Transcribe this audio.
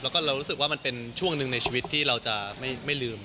แล้วก็เรารู้สึกว่ามันเป็นช่วงหนึ่งในชีวิตที่เราจะไม่ลืม